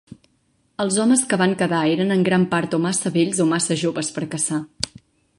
Els homes que van quedar eren en gran part o massa vells o massa joves per caçar.